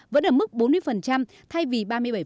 vẫn ở mức bốn mươi thay vì ba mươi bảy